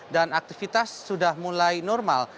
dan aktivitas sudah mulai normal